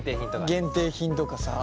限定品とかさ。